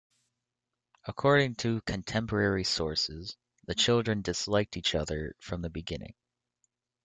According to contemporary sources, the children disliked each other from the beginning.